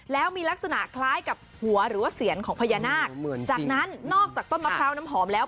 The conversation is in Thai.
แล้วมีลักษณะคล้ายกับหัวหรือว่าเสียนของพญานาคจากนั้นนอกจากต้นมะพร้าวน้ำหอมแล้ว